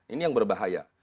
ini yang berbahaya